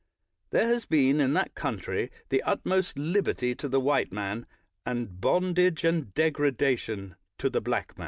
There has been in that country the utmost liberty to the white man, and bondage and degradation to the black man.